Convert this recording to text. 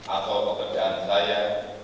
atau pekerjaan saya